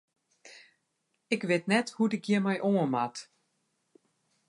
Ik wit net hoe't ik hjir mei oan moat.